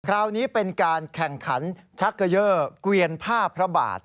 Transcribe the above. คราวนี้เป็นการแข่งขันชักเกยอร์เกวียนผ้าพระบาท